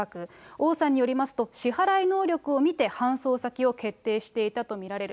王さんによりますと、支払い能力を見て、搬送先を決定していたと見られる。